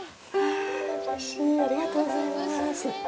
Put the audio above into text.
ありがとうございます。